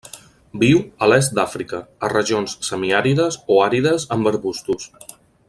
Viu a l'est d'Àfrica, a regions semiàrides o àrides amb arbustos.